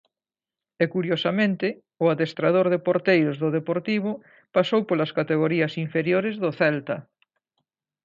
E curiosamente o adestrador de porteiros do Deportivo pasou polas categorías inferiores do Celta.